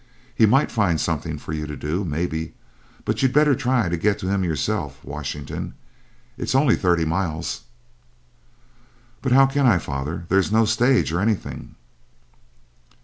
He might find something for you to do, maybe, but you'd better try to get to him yourself, Washington it's only thirty miles." "But how can I, father? There's no stage or anything."